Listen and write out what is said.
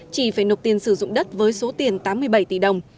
chỉ phải nộp tiền sử dụng đất với số tiền tám mươi bảy tỷ đồng